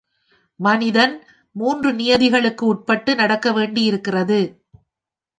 மனிதன் மூன்று நியதிகளுக்கு உட்பட்டு நடக்கவேண்டியிருக்கிறது.